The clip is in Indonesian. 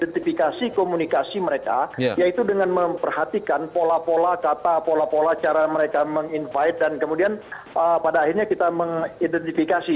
identifikasi komunikasi mereka yaitu dengan memperhatikan pola pola kata pola pola cara mereka meng invite dan kemudian pada akhirnya kita mengidentifikasi